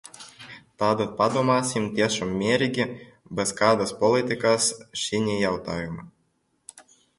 Tātad padomāsim tiešām mierīgi, bez kādas politikas šinī jautājumā!